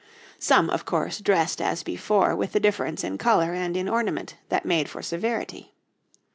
Some, of course, dressed as before with the difference in colour and in ornament that made for severity.